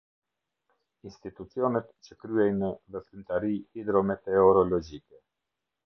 Institucionet që kryejnë Veprimtari Hidrometeorologjike.